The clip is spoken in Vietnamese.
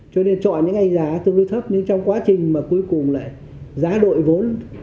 cho nên chọn những cái giá tương đối thấp nhưng trong quá trình mà cuối cùng lại giá đội vốn